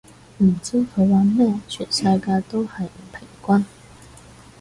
唔知佢玩乜，全世界都係唔平均